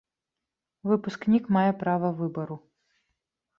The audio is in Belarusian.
Выпускнік мае права выбару.